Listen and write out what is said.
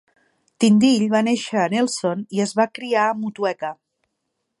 Tindill va néixer a Nelson i es va criar a Motueka.